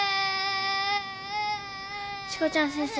・しこちゃん先生。